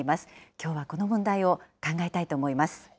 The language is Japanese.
きょうはこの問題を考えたいと思います。